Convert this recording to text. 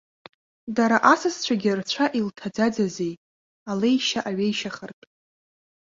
Дара асасцәагьы рцәа илҭаӡаӡазеи, алеишьа аҩеишьахартә!